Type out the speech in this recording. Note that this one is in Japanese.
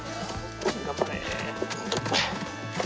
頑張れ。